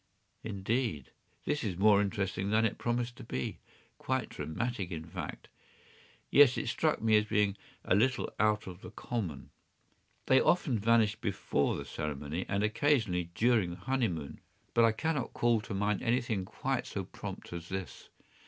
” “Indeed. This is more interesting than it promised to be; quite dramatic, in fact.” “Yes; it struck me as being a little out of the common.” “They often vanish before the ceremony, and occasionally during the honey moon; but I cannot call to mind anything quite so prompt as this.